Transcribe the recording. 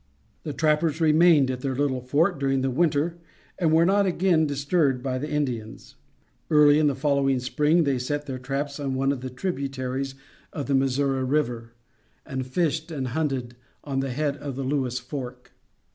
The trappers remained at their little fort during the winter and were not again disturbed by the Indians. Early in the following spring, they set their traps on one of the tributaries of the Missouri River and finished the hunt on the head of Lewis' Fork.